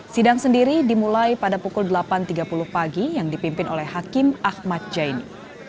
sidang sendiri dimulai pada pukul delapan tiga puluh pagi yang dipimpin oleh hakim ahmad jaini